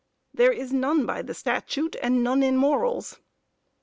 There is none by the statute and none in morals.